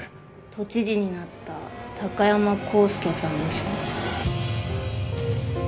・都知事になった高山浩介さんですよ